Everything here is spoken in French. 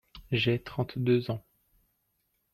J'ai (vingt, trente…) ans.